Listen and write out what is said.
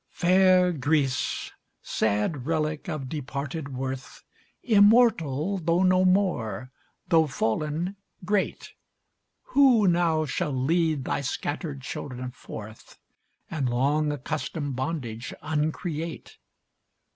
....... Fair Greece! sad relic of departed worth! Immortal, though no more! though fallen, great! Who now shall lead thy scattered children forth, And long accustomed bondage uncreate?